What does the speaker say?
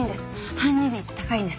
犯人率高いんです。